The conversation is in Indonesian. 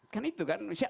kan itu kan